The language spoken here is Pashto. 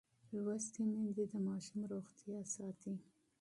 لوستې میندې د ماشوم روغتیا ساتي.